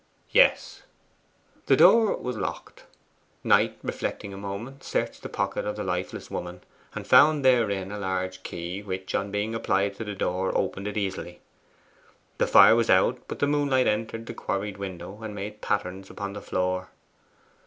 'Yes.' The door was locked. Knight, reflecting a moment, searched the pocket of the lifeless woman, and found therein a large key which, on being applied to the door, opened it easily. The fire was out, but the moonlight entered the quarried window, and made patterns upon the floor.